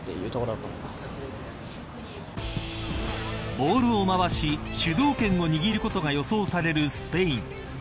ボールを回し主導権を握ることが予想されるスペイン。